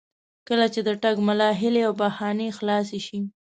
کله چې د ټګ ملا هیلې او بهانې خلاصې شي.